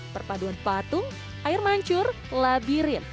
perpaduan patung air mancur labirin